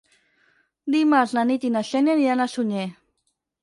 Dimarts na Nit i na Xènia aniran a Sunyer.